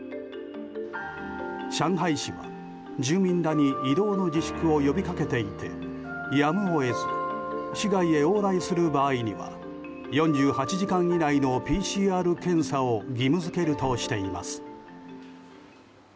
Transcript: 上海市は住民らに移動の自粛を呼びかけていてやむを得ず市外へ往来する場合には４８時間以内のＰＣＲ検査を義務付けるとしています。